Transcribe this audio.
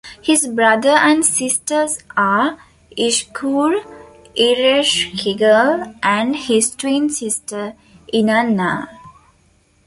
His brother and sisters are Ishkur, Ereshkigal, and his twin sister Inanna.